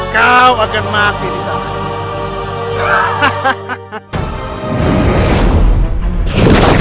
kau akan mati di sana